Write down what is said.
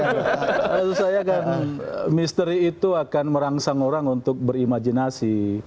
maksud saya kan misteri itu akan merangsang orang untuk berimajinasi